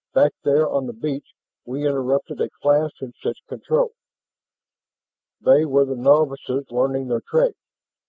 Back there on the beach we interrupted a class in such control; they were the novices learning their trade.